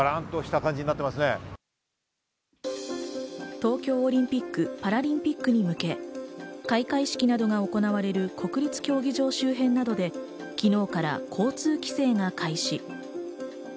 東京オリンピック・パラリンピックに向け、開会式などが行われる国立競技場周辺などで昨日から交通規制が開始。